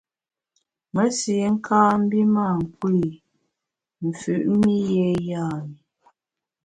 Mesi kâ mbi mâ nkpù i, mfüt mi yé yam’i.